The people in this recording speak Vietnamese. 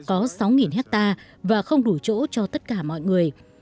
có sáu hectare và không đủ chỗ cho tất cả mọi người